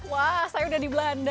wah saya udah di belanda